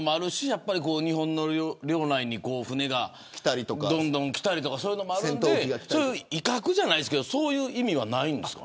やっぱり日本の領内に船がどんどん来たりとかそういうのがあるんで威嚇じゃないですけどそういう意味はないんですか。